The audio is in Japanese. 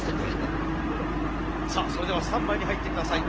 さあそれではスタンバイに入って下さい。